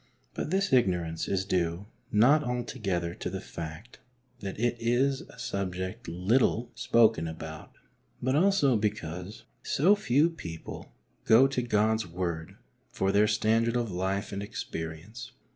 But this ignorance is due, not altogether to the fact that it is a subject little 22 HEART TALKS ON HOLINESS. spoken about, but also because so few people go to God's Word for their standard of life and experience.